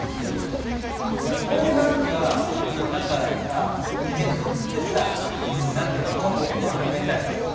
これ何かさ削ってさチョコを丸めたりさ。